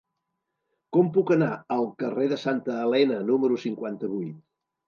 Com puc anar al carrer de Santa Elena número cinquanta-vuit?